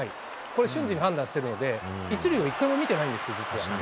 これ、瞬時に判断してるので、１塁を一回も見てないんですよ、実は。